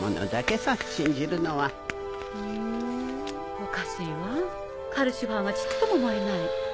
おかしいわカルシファーがちっとも燃えない。